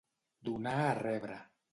Donar a rebre.